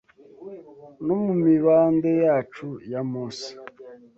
no mu mibande yacu ya mose